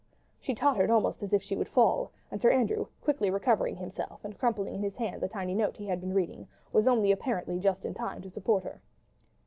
..." She tottered almost as if she would fall, and Sir Andrew, quickly recovering himself, and crumpling in his hand the tiny note he had been reading, was only, apparently, just in time to support her.